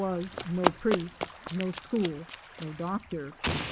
was no priest, no school, no doctor.